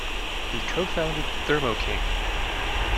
He cofounded Thermo King.